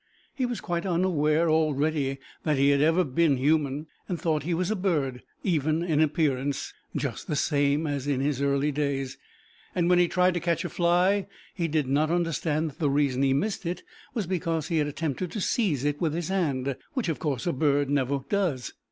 He was quite unaware already that he had ever been human, and thought he was a bird, even in appearance, just the same as in his early days, and when he tried to catch a fly he did not understand that the reason he missed it was because he had attempted to seize it with his hand, which, of course, a bird never does.